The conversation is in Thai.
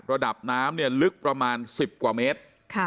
ระดับน้ำลึกประมาณ๑๐กว่าเมตร